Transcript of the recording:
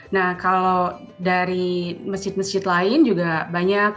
nah kalau dari masjid masjid lain juga banyak